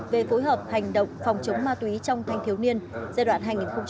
về phối hợp hành động phòng chống ma túy trong thanh thiếu niên giai đoạn hai nghìn một mươi bốn hai nghìn hai mươi